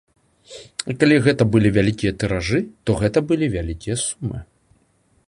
І калі гэта былі вялікія тыражы, то гэта былі вялікія сумы.